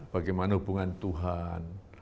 bagaimana hubungan tuhan